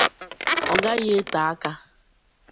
ọ gaghị ete aka